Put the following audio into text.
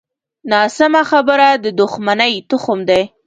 ناسمه خبره د دوښمنۍ تخم دی